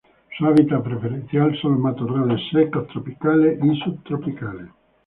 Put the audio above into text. Su hábitat preferencial son los matorrales secos tropicales y subtropicales.